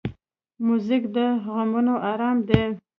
موزیک د غمونو آرام دی.